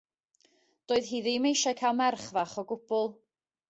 Doedd hi ddim eisiau cael merch fach o gwbl.